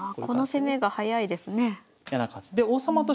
この攻めが早いですね。